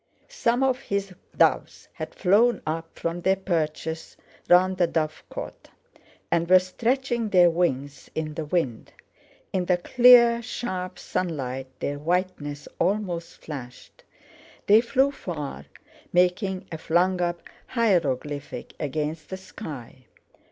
Some of his doves had flown up from their perches round the dovecot, and were stretching their wings in the wind. In the clear sharp sunlight their whiteness almost flashed. They flew far, making a flung up hieroglyphic against the sky.